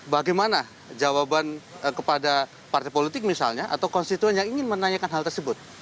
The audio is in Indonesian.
bagaimana jawaban kepada partai politik misalnya atau konstituen yang ingin menanyakan hal tersebut